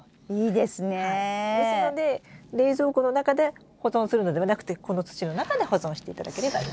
ですので冷蔵庫の中で保存するのではなくてこの土の中で保存していただければいいです。